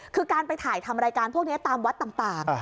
คือการไปถ่ายทำรายการพวกนี้ตามวัดต่าง